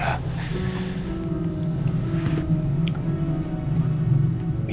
ya mungkin memang